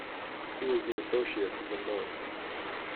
He was the associate of them both.